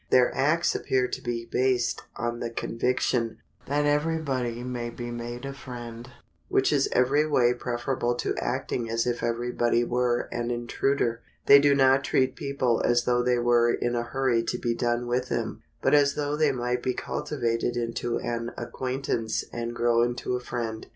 Their acts appear to be based on the conviction that every body may be made a friend, which is every way preferable to acting as if every body were an intruder. They do not treat people as though they were in a hurry to be done with them, but as though they might be cultivated into an acquaintance and grow into a friend.